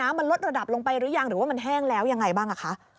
มันลดระดับลงไปหรือยังหรือว่ามันแห้งแล้วยังไงบ้างคะ